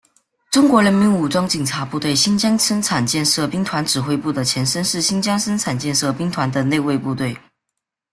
中国人民武装警察部队新疆生产建设兵团指挥部的前身是新疆生产建设兵团的内卫部队。